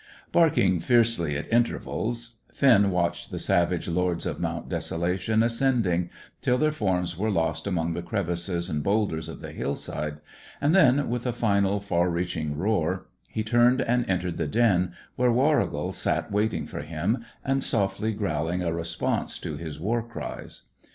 Barking fiercely at intervals, Finn watched the savage lords of Mount Desolation ascending, till their forms were lost among the crevices and boulders of the hillside, and then, with a final, far reaching roar, he turned and entered the den, where Warrigal sat waiting for him, and softly growling a response to his war cries.